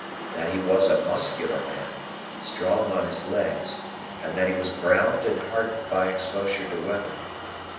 That he was a muscular man, strong on his legs, and that he was browned and hardened by exposure to weather.